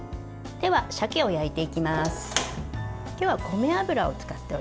では鮭を焼いていきます。